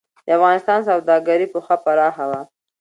د افغانستان سوداګري پخوا پراخه وه.